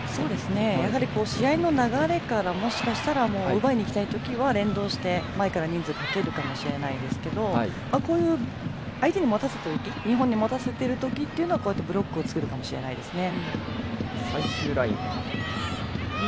試合の流れからもしかしたら奪いにいきたいときは連動して前から人数をかけるかもしれないですけど日本に持たせてるときってこうやってブロックを作るかもしれないですね。